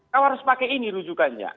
kamu harus pakai ini rujukannya